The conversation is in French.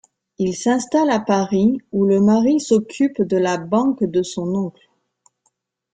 Ils s’installent à Paris où le mari s’occupe de la banque de son oncle.